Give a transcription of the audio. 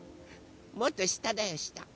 もっとしただよした。